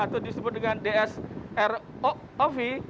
atau disebut dengan dsrov